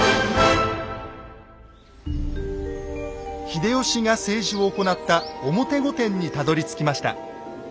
秀吉が政治を行った表御殿にたどりつきました。